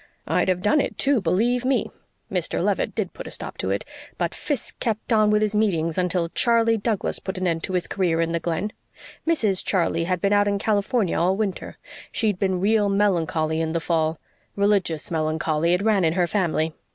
I'd have done it too, believe ME. Mr. Leavitt did put a stop to it, but Fiske kept on with his meetings until Charley Douglas put an end to his career in the Glen. Mrs. Charley had been out in California all winter. She'd been real melancholy in the fall religious melancholy it ran in her family.